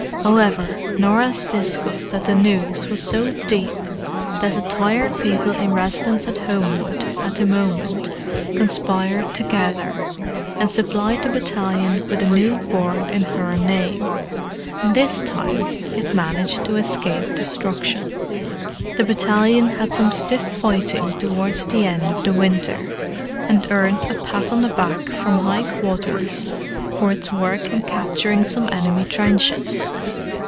However, Norah's disgust at the news was so deep that the Tired People in residence at Homewood at the moment conspired together, and supplied the battalion with a new board in her name; and this time it managed to escape destruction. The battalion had some stiff fighting towards the end of the winter, and earned a pat on the back from high quarters for its work in capturing some enemy trenches.